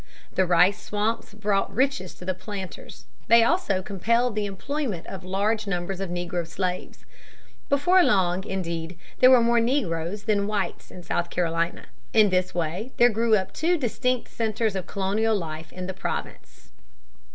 The rice swamps brought riches to the planters, they also compelled the employment of large numbers of negro slaves. Before long, indeed, there were more negroes than whites in southern Carolina. In this way there grew up two distinct centers of colonial life in the province.